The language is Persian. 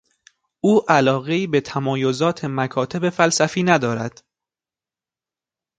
او علاقهای به تمایزات مکاتب فلسفی ندارد.